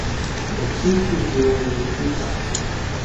The creek is divided into two parts.